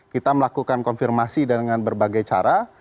kita melakukan konfirmasi dengan berbagai cara